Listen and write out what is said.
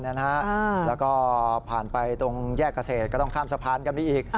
แล้วก็ผ่านไปตรงแยกเกษตรก็ต้องข้ามสะพานกันไปอีก